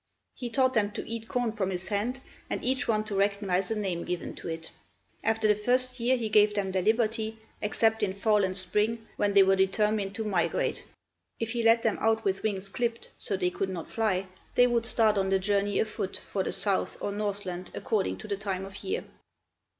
He taught them to eat corn from his hand and each one to recognize a name given to it. After the first year he gave them their liberty, except in fall and spring, when they were determined to migrate. If he let them out with wings clipped, so they could not fly, they would start on the journey afoot for the south or northland according to the time of year.